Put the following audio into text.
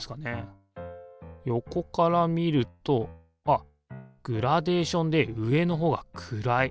横から見るとあっグラデーションで上のほうが暗い。